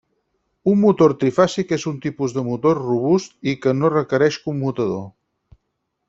Un motor trifàsic és un tipus de motor robust i que no requereix commutador.